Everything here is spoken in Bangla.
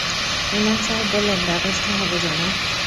ইমাম সাহেব বললেন, ব্যবস্থা হবে জনাব।